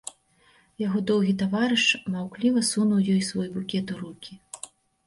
Яго доўгі таварыш маўкліва сунуў ёй свой букет у рукі.